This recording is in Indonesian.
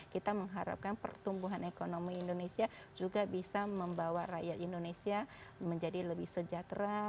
kita mengharapkan pertumbuhan ekonomi indonesia juga bisa membawa rakyat indonesia menjadi lebih sejahtera